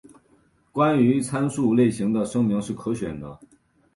关于参数类型的声明是可选的。